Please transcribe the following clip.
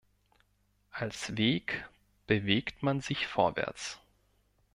Als Weg bewegt man sich vorwärts.